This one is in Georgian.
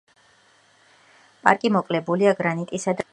პარკი მოკლებულია გრანიტისა და გნაისის ქანებს.